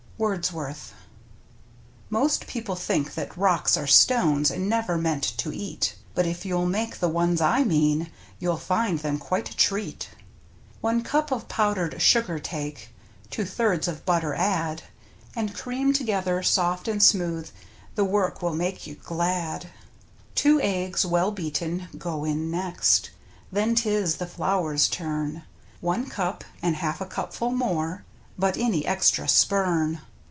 — Wordsworth. Most people think that rocks are stones And never meant to eat, But if you'll make the ones I mean, You'll find them quite a treat. One cup of powdered sugar take, Two thirds of butter add, And cream together soft and smooth — The work will make you glad. Two eggs, well beaten, go in next, Then 'tis the flour's turn. One cup, and half a cupful more — But any extra spurn.